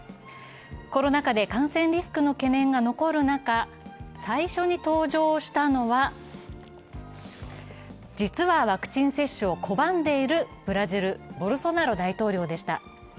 コロナ禍で感染リスクの懸念が残る中、最初に登場したのは実はワクチン接種を拒んでいるブラジル、ボルソナロ大統領でした。